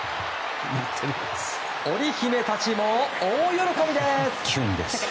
オリ姫たちも大喜びです！